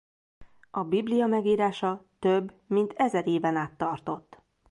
A Biblia megírása több mint ezer éven át tartott.